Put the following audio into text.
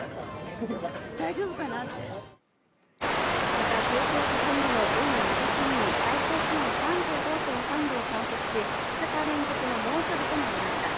また東京都心でも午後２時すぎに最高気温３５．３度を観測し２日連続の猛暑日となりました。